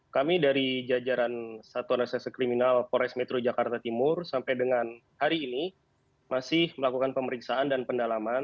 kami dari jajaran satuan resesi kriminal pores metro jakarta timur sampai dengan hari ini masih melakukan pemeriksaan dan pendalaman